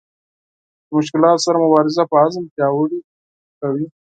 له مشکلاتو سره مبارزه په عزم پیاوړې کوي.